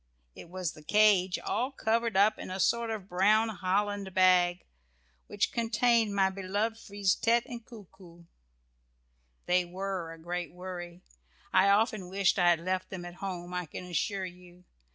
It was the cage, all covered up in a sort of brown holland bag, which contained my beloved Frise tête and Coo coo. They were a great worry. I often wished I had left them at home, I can assure you.